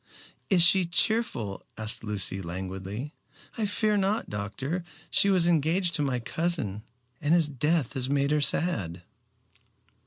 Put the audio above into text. "Is she cheerful?" asked Lucy languidly. "I fear not, doctor. She was engaged to my cousin, and his death has made her sad."